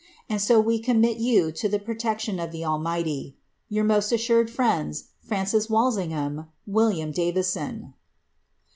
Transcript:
And so we commit to the protection of the Almighty. Toi;^ most assured friends, FaA. Walshtoham. "Will. Datisoh."